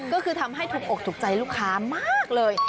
ก็คือทำให้ถูกอกถูกใจลูกค้ามากเลย